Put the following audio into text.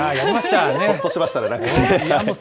ほっとしましたね。